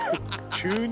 急に！